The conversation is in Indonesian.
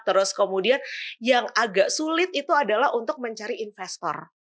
terus kemudian yang agak sulit itu adalah untuk mencari investor